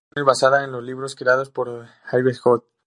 Productions, basada en los libros creados por Yves Got.